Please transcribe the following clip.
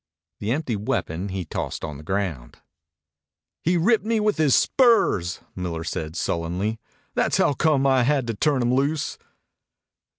The empty weapon he tossed on the ground. "He ripped me with his spurs," Miller said sullenly. "That's howcome I had to turn him loose."